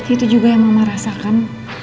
itu juga yang mama rasakan